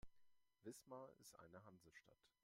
Wismar ist eine Hansestadt.